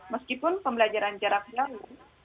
meskipun pembelajaran jarak jauh